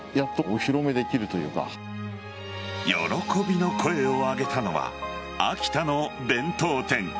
喜びの声を上げたのは秋田の弁当店。